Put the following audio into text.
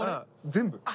全部。